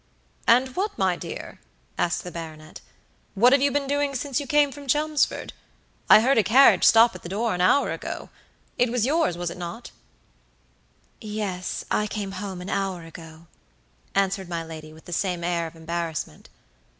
"And what, my dear?" asked the baronet"what have you been doing since you came from Chelmsford? I heard a carriage stop at the door an hour ago. It was yours, was it not?" "Yes, I came home an hour ago," answered my lady, with the same air of embarrassment.